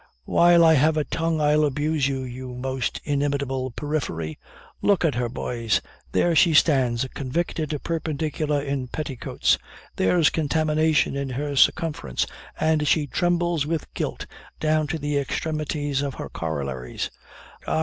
"While I have a tongue I'll abuse you, you most inimitable periphery. Look at her, boys! there she stands a convicted perpendicular in petticoats. There's contamination in her circumference, and she trembles with guilt down to the extremities of her corollaries. Ah!